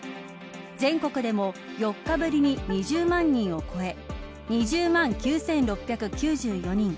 全国でも４日ぶりに２０万人を超え２０万９６９４人。